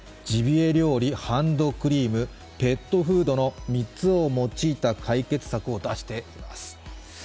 ジビエ料理、ハンドクリーム、ペットフードの３つを用いた解決策を出しています